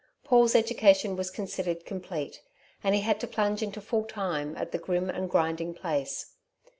Paul's education was considered complete, and he had to plunge into full time at the grim and grinding place.